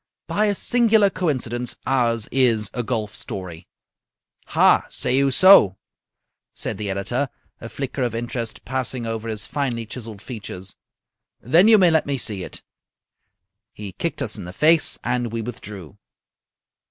"By a singular coincidence, ours is a golf story." "Ha! say you so?" said the editor, a flicker of interest passing over his finely chiselled features. "Then you may let me see it." He kicked us in the face, and we withdrew.